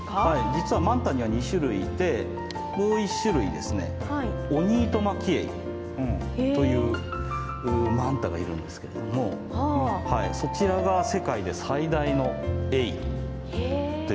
実はマンタには２種類いてもう１種類オニイトマキエイというマンタがいるんですけれどもそちらが世界で最大のエイということになります。